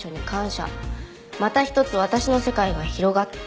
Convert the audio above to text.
「またひとつ私の世界が広がった」